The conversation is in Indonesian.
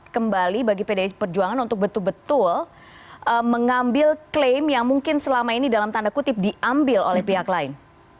kembali bagi pdi perjuangan untuk betul betul mengambil klaim yang mungkin selama ini dalam tanda kutip diambil oleh pihak lain